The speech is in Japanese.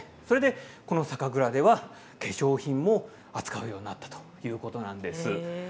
この酒蔵では、化粧品を扱うようになったということです。